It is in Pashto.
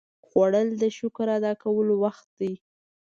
خوړل د شکر ادا کولو وخت دی